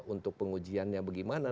untuk pengujiannya bagaimana